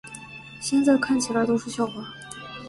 现在看起来都是笑话